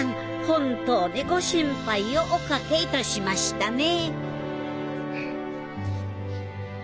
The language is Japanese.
本当にご心配をおかけいたしましたね